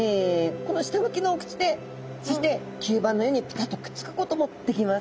この下向きのお口でそして吸盤のようにぴたっとくっつくこともできます。